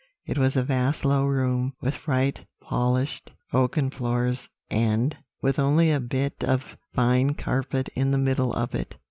It was a vast low room, with bright polished oaken floors, and with only a bit of fine carpet in the middle of it.